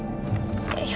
いや。